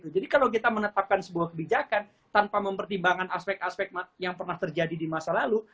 jadi kalau kita menetapkan sebuah kebijakan tanpa mempertimbangkan aspek aspek yang pernah terjadi di masa lalu